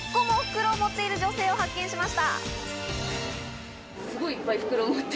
と早速、６個も袋を持っている女性を発見しました。